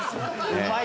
うまい。